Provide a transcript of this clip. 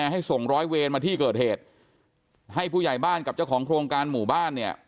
ให้ส่งร้อยเวรมาที่เกิดเหตุให้ผู้ใหญ่บ้านกับเจ้าของโครงการหมู่บ้านเนี่ย